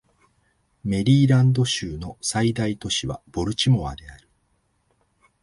メリーランド州の最大都市はボルチモアである